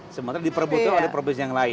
sementara diperbutuhkan oleh provinsi yang lain